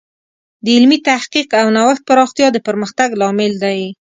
د علمي تحقیق او نوښت پراختیا د پرمختګ لامل دی.